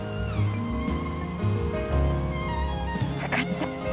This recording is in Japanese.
分かった。